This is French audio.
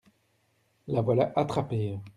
La voilà attrapée.